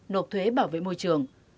nộp thuế bảo vệ môi trường